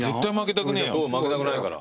負けたくないから。